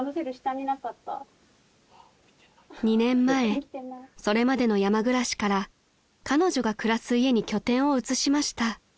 ［２年前それまでの山暮らしから彼女が暮らす家に拠点を移しました］